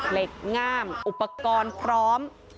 เหล็กง่ามอุปกรณ์พร้อม